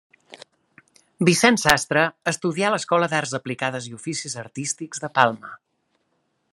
Vicenç Sastre estudià a l'Escola d'Arts Aplicades i Oficis Artístics de Palma.